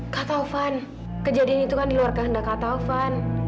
kak taufan kejadian itu kan diluar kehendak kak taufan